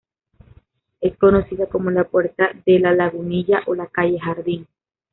Es conocida como la puerta de la Lagunilla o la calle Jardín.